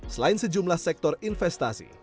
selain sejumlah sektor investasi